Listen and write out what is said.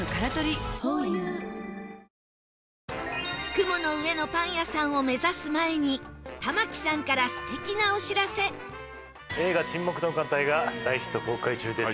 雲の上のパン屋さんを目指す前に玉木さんから素敵なお知らせ玉木：映画『沈黙の艦隊』が大ヒット公開中です。